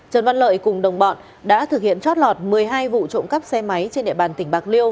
trần văn lợi cùng đồng bọn đã thực hiện chót lọt một mươi hai vụ trộm cắp xe máy trên địa bàn tỉnh bạc liêu